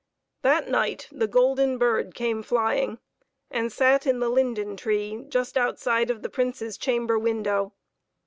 That night the golden bird came flying, and sat in the linden tree just outside of the Prince's chamber window.